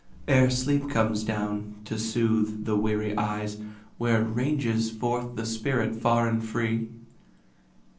Ere sleep comes down to soothe the weary eyes, Where ranges forth the spirit far and free?